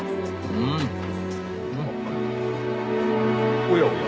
うーん。おやおや。